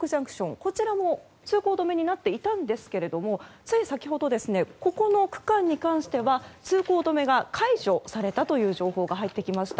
こちらも通行止めになっていたんですがつい先ほどここの区間に関しては通行止めが解除されたという情報が入ってきました。